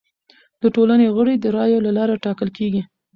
د ټولنې غړي د رایو له لارې ټاکل کیږي.